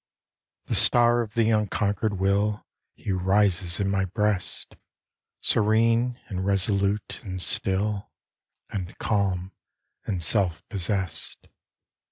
The star of the unconquered will, He rises in my breast, Serene, and resolute, and still, And calm, and self possessed.